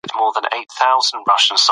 که په تعلیم کې بریا وي نو ناهیلي نه وي.